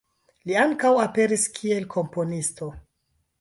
Li ankaŭ aperis kiel komponisto.